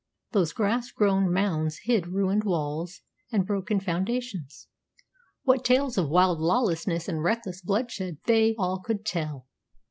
Those grass grown mounds hid ruined walls and broken foundations. What tales of wild lawlessness and reckless bloodshed they all could tell!